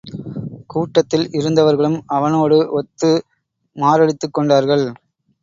கூட்டத்தில் இருந்தவர்களும் அவனோடு ஒத்து மாரடித்துக் கொண்டார்கள்.